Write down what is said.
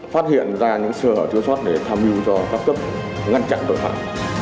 phát hiện ra những sự thiếu sót để tham dự cho các cấp ngăn chặn tội phạm